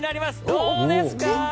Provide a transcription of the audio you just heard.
どうですか？